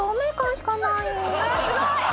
・すごい！